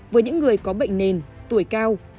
với những người có bệnh nền tuổi cao